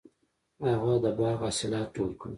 هغه د باغ حاصلات ټول کړل.